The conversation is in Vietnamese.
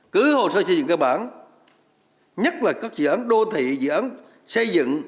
cứ hồ sơ xây dựng cơ bản nhất là các dự án đô thị dự án xây dựng